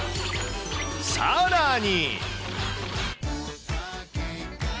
さらに。